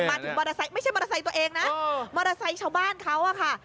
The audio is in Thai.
มาถึงมอเตอร์ไซค์ไม่ใช่มอเตอร์ไซค์ตัวเองนะมอเตอร์ไซค์ชาวบ้านเขาอะค่ะ